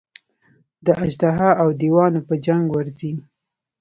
د اژدها او دېوانو په جنګ ورځي.